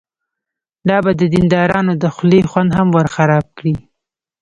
دا به د دیندارانو د خولې خوند هم ورخراب کړي.